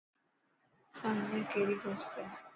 سانيا ڪيري دوست اي.